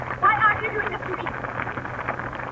• د سوال په اوبو ژرنده نه گرځي.